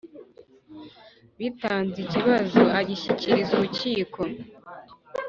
bitanze ikibazo agishyikiriza Urukiko